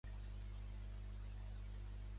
El seu cognom és Toquero: te, o, cu, u, e, erra, o.